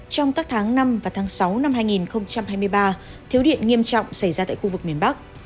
trong các tháng năm và tháng sáu năm hai nghìn hai mươi ba thiếu điện nghiêm trọng xảy ra tại khu vực miền bắc